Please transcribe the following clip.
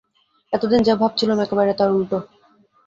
এতদিন যা ভাবছিলুম একেবারে তার উলটো।